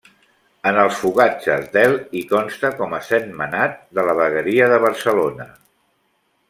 En els fogatges del i consta com a Sentmenat, de la vegueria de Barcelona.